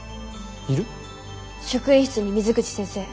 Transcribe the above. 職員室に水口先生。